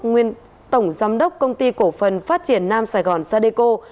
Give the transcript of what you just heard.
nguyên tổng giám đốc công ty cổ phần phát triển nam sài gòn sadeco